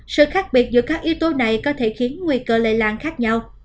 sự khác biệt giữa các yếu tố này có thể khiến nguy cơ lây lan khác nhau